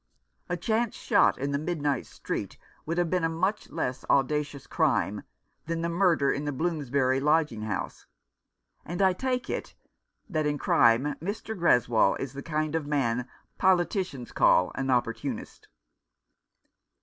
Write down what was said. A chance shot in the midnight street would have been a much less audacious crime than the murder in the Bloomsbury lodging house ; and I take it that in crime Mr. Greswold is the kind of man politicians call an opportunist.